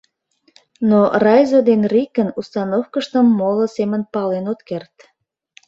Но райзо ден рикын установкыштым моло семын пален от керт.